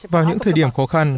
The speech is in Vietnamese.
vào những thời điểm khó khăn